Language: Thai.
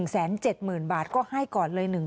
๑แสนเจ็ดหมื่นบาทก็ให้ก่อนเลย๑แสน